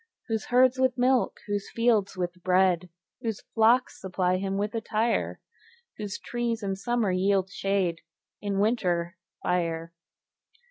Whose herds with milk, whose fields with bread, Whose flocks supply him with attire; Whose trees in summer yield shade, In winter, fire.